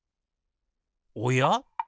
おや？